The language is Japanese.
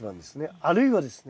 あるいはですね